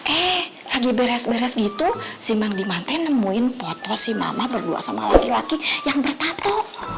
eh lagi beres beres gitu simbang dimante nemuin foto si mama berdua sama laki laki yang bertato